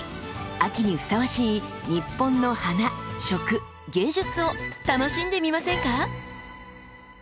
秋にふさわしい日本の「花」「食」「芸術」を楽しんでみませんか？